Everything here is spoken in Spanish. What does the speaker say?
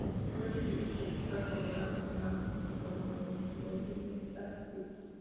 El juego recibió críticas favorables en ambas plataformas según el sitio web de Metacritic.